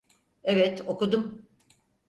Evet, okudum.